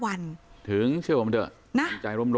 ไม่อยากให้มองแบบนั้นจบดราม่าสักทีได้ไหม